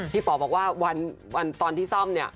ป๋อบอกว่าตอนที่ซ่อมเนี่ย